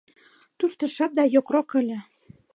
Тушто шып да йокрок ыле.